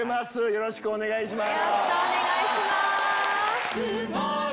よろしくお願いします。